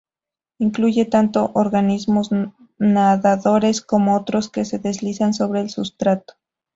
Incluye tanto organismos nadadores como otros que se deslizan sobre el sustrato.